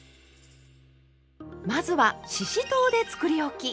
まずはししとうでつくりおき！